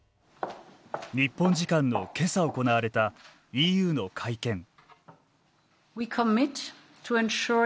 日本時間の今朝行われたＥＵの会見。